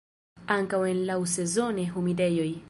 Ankaŭ en laŭsezone humidejoj.